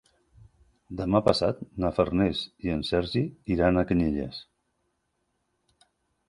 Demà passat na Farners i en Sergi iran a Canyelles.